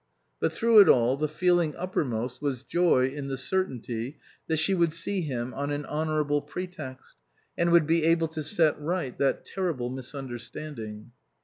But through it all the feeling uppermost was joy in the certainty that she would see him on an honourable pretext, and would be able to set right that terrible misunderstanding.